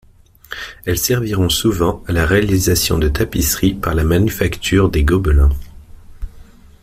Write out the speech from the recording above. Elles serviront souvent à la réalisation de tapisseries par la Manufacture des Gobelins.